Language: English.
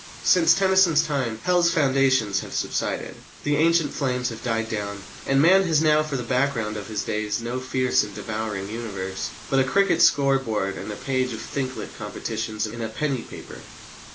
Since Tennyson's time Hell's foundations have subsided: the ancient flames have died down; and man has now for the background of his days no fierce and devouring universe, but a cricket score board and a page of "thinklet" competitions in a penny paper.